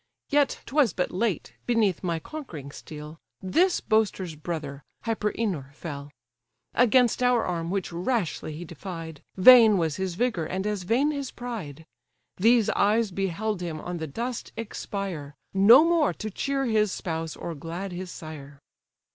Yet 'twas but late, beneath my conquering steel This boaster's brother, Hyperenor, fell; Against our arm which rashly he defied, Vain was his vigour, and as vain his pride. These eyes beheld him on the dust expire, No more to cheer his spouse, or glad his sire.